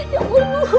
waktu cepat berlalu